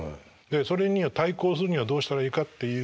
それに対抗するにはどうしたらいいかっていうことで。